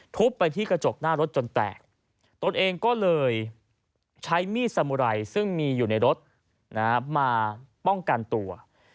ทุบไปที่กระจกหน้ารถจนแตกตนเองก็เลยใช้มีดสมุไรซึ่งมีอยู่ในรถมาป้องกันตัว